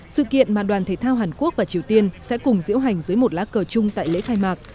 sự kiện mà đoàn thể thao hàn quốc và triều tiên sẽ cùng diễu hành dưới một lá cờ chung tại lễ khai mạc